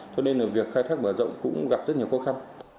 cho nên là việc khai thác mở rộng cũng gặp rất nhiều khó khăn